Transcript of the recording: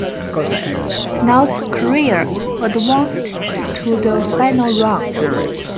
"North Korea" advanced to the Final Round.